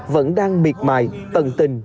vẫn đang miệt mài tận tình